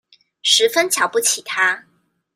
十分瞧不起他